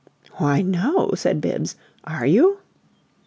"Why, no!" said Bibbs. "Are you?"